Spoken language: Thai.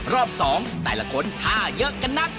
รอบ๒แต่ละคนถ้าเยอะกันนัก